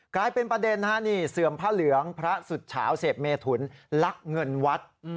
กลายเป็นประเด็นนะนี่เสื่อมพระเหลืองพระสุดฉาวเสพเมฑุร์นฤกษ์เงินวัด